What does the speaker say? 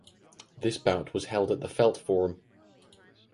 This bout was held at the Felt Forum.